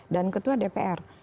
dan ketua dpr